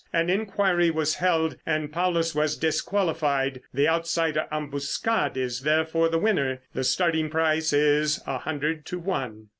An enquiry was held and Paulus was disqualified. The outsider, Ambuscade, is therefore the winner. The starting price is a hundred to one."